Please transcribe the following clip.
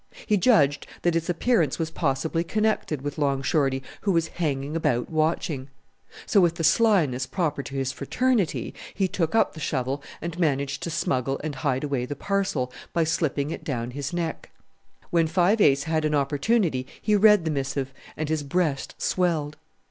He judged that its appearance was possibly connected with Long Shorty, who was hanging about watching. So, with the slyness proper to his fraternity, he took up the shovel and managed to smuggle and hide away the parcel by slipping it down his neck. When Five Ace had an opportunity he read the missive, and his breast swelled.